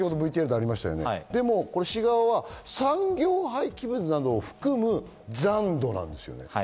でも市側は産業廃棄物などを含む残土なんですよね。